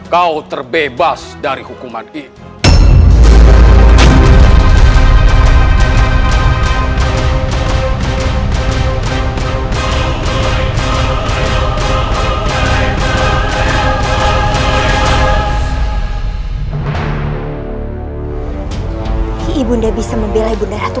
kau terbebas dari hukuman itu